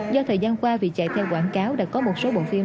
do thời gian qua việc chạy theo quảng cáo đã có một số bộ phim